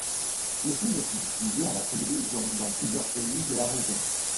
Le film fut diffusé à la télévision dans plusieurs pays de la région.